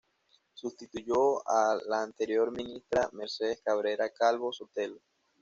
Sustituyó a la anterior ministra Mercedes Cabrera Calvo-Sotelo.